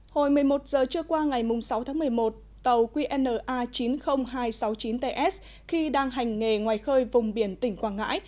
hồi một mươi một giờ trưa qua ngày sáu tháng một mươi một tàu qna chín mươi nghìn hai trăm sáu mươi chín ts khi đang hành nghề ngoài khơi vùng biển tỉnh quảng ngãi